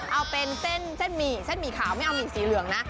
เอาเป็นเส้นหมี่เส้นหมี่ขาวไม่เอาหมี่สีเหลืองนะ